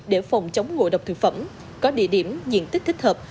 để phòng chống ngộ độc thực phẩm có địa điểm diện tích thích hợp